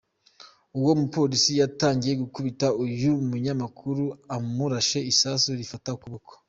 Uwo mupolisi yatangiye gukubita uyu munyamakuru, amurashe isasu rifata ukuboko.